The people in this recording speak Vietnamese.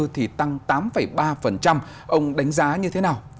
thì tăng tám ba ông đánh giá như thế nào